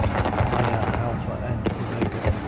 I am Alpha and Omega.